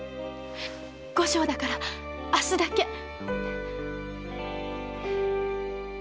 後生だから明日だけ！